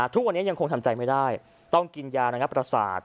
ทุกวันนี้ยังคงทำใจไม่ได้ต้องกินยาระงับประสาท